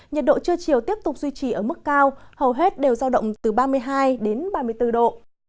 nhiệt độ trưa chiều tiếp tục duy trì ở mức cao hầu hết đều giao động từ ba mươi hai đến ba mươi bốn độ